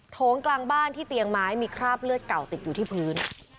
โงกลางบ้านที่เตียงไม้มีคราบเลือดเก่าติดอยู่ที่พื้น